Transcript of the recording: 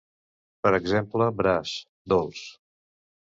Per exemple braç, dolç.